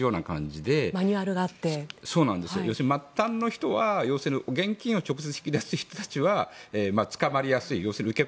要するに末端の人は現金を直接引き出す人たちは捕まりやすい受け